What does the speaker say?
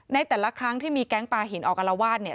ในแต่ละครั้งที่มีแก๊งปลาหินออกอารวาสเนี่ย